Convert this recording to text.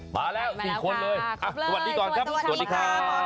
มาแล้ว๔คนเลยสวัสดีก่อนครับสวัสดีค่ะมก้ายมาแล้วค่ะขอบเรื่อยสวัสดีค่ะ